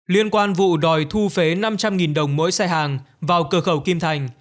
liên quan vụ đòi thu phế năm trăm linh đồng mỗi xe hàng vào cửa khẩu kim thành